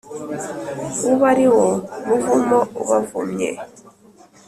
ube ari wo muvumo ubavumye.